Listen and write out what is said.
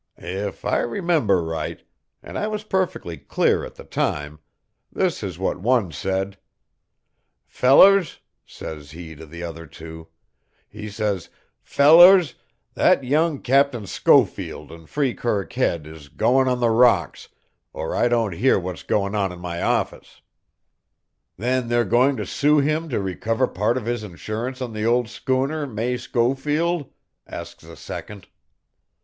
"If I remember right, an' I was perfectly clear at the time, this is what one said: 'Fellers,' sez 'e to the other two, 'e sez 'fellers, that young Captain Schofield in Freekirk Head is goin' on the rocks, or I don't hear what's goin' on in my office.' "'Then they're goin' to sue him to recover part of his insurance on the old schooner May Schofield?' asks the second.